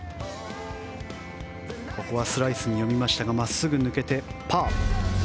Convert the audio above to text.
ここはスライスに読みましたが真っすぐ抜けてパー。